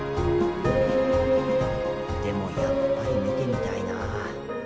でもやっぱり見てみたいな。